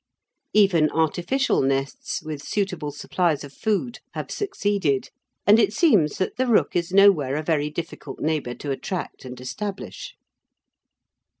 Even artificial nests, with suitable supplies of food, have succeeded, and it seems that the rook is nowhere a very difficult neighbour to attract and establish.